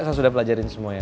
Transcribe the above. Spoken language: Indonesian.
saya sudah pelajari semuanya